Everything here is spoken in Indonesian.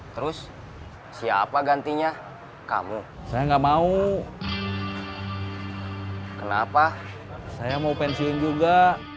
terus siapa gantinya kamu saya nggak mau kenapa saya mau pensiun juga